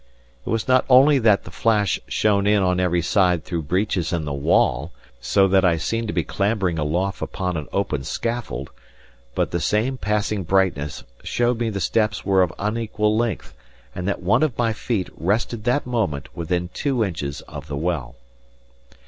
It was not only that the flash shone in on every side through breaches in the wall, so that I seemed to be clambering aloft upon an open scaffold, but the same passing brightness showed me the steps were of unequal length, and that one of my feet rested that moment within two inches of the well.